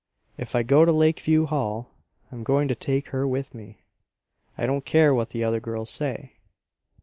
If I go to Lakeview Hall I'm going to take her with me. I don't care what the other girls say!"